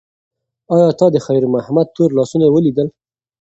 ایا تا د خیر محمد تور لاسونه ولیدل؟